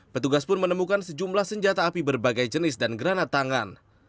petugas pun menemukan sejumlah senjata api berbagai jenis dan granat tangan